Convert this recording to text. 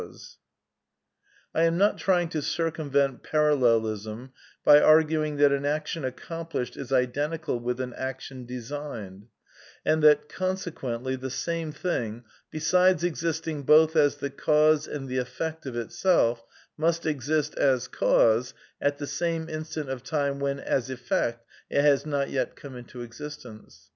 100 A DEFENCE OF IDEALISM I am not trying to circumvent Parallelism by arguing that an action accomplished is identical with an action de signed; and that, consequently, the same thing, besides existing both as the cause and the effect of itself, must exist (as cause) at the same instant of time when (as effect) it has not yet come into existence.